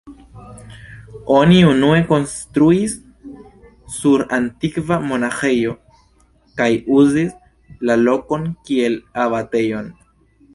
Oni unue konstruis sur antikva monaĥejo kaj uzis la lokon kiel abatejon.